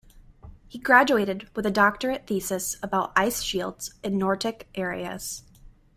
He graduated with a doctorate thesis about ice shields in Nordic areas.